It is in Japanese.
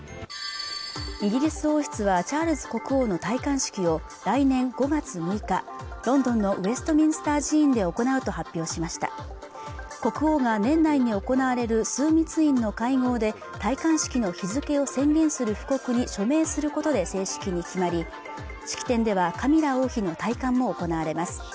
イギリス王室はチャールズ国王の戴冠式を来年５月６日ロンドンのウェストミンスター寺院で行うと発表しました国王が年内に行われる枢密院の会合で戴冠式の日付を宣言する布告に署名することで正式に決まり式典ではカミラ王妃の戴冠も行われます